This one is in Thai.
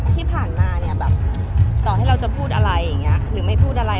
ที่ผ่านมาเนี่ยแบบต่อให้เราจะพูดอะไรอย่างนี้หรือไม่พูดอะไร